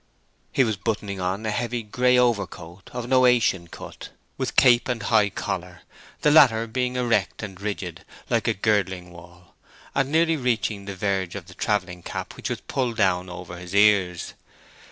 He was buttoning on a heavy grey overcoat of Noachian cut, with cape and high collar, the latter being erect and rigid, like a girdling wall, and nearly reaching to the verge of a travelling cap which was pulled down over his ears.